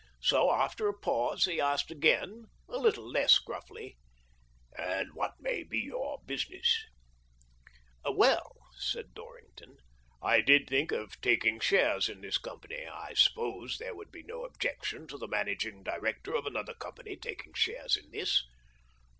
So after a pause he asked again, a little less gruffly, " And what may be your business ?" "Well," said Dorrington, "I did think of taking shares in this company. I suppose there would be no objection to the managing 182 THE DORRINGTON DEED BOX director of another company taking shares in this?"